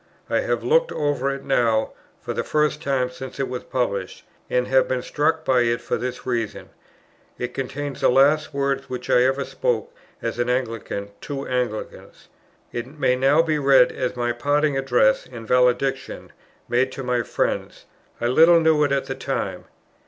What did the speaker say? I have looked over it now, for the first time since it was published; and have been struck by it for this reason: it contains the last words which I ever spoke as an Anglican to Anglicans. It may now be read as my parting address and valediction, made to my friends. I little knew it at the time.